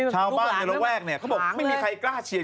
ชาวบ้านในระแวกเนี่ยเขาบอกไม่มีใครกล้าเชียร์